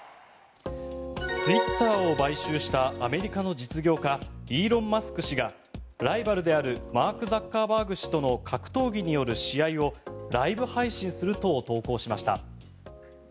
ツイッターを買収したアメリカの実業家イーロン・マスク氏がライバルであるマーク・ザッカーバーグ氏との格闘技による試合をライブ配信すると投稿しました。